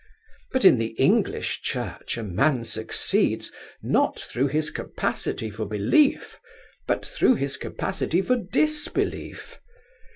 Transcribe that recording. But in the English Church a man succeeds, not through his capacity for belief, but through his capacity for disbelief.